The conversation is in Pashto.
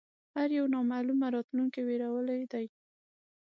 هر یو نامعلومه راتلونکې وېرولی دی